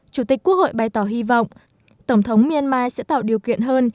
chủ tịch quốc hội bày tỏ hy vọng tổng thống myanmar sẽ tạo điều kiện hơn